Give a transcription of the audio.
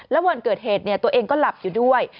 แล้ววันเกิดเหตุตัวเองก็หลับอยู่ด้วย